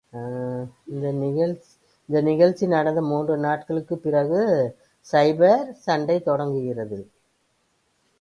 இந்த நிகழ்ச்சி நடந்து மூன்று நாட்களுக்குப் பிறகு, கைபர்ச் சண்டை தொடங்கியது.